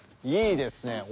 いいですね。